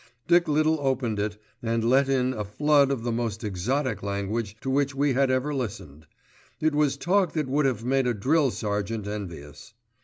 Dick Little opened it and let in a flood of the most exotic language to which we had ever listened. It was talk that would have made a drill sergeant envious.